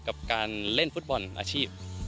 กับการเล่นฟุตบอลอาชีพ